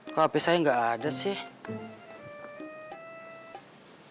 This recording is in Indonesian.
kok hp saya gak ada sih